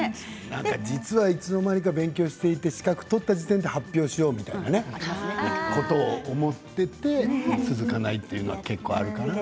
実はいつの間にか勉強していて、資格取った時点で発表しようみたいなことを思っていて続かないというのは結構あるかな。